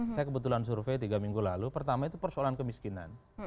saya kebetulan survei tiga minggu lalu pertama itu persoalan kemiskinan